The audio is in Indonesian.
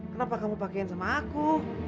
kenapa kamu pakaian sama aku